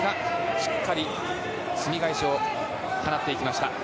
しっかりすみ返しを払っていきました。